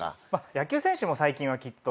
野球選手も最近はきっと。